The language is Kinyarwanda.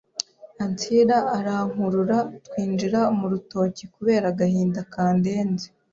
Ansira arankurura twinjira murutoki kubera agahinda kandenze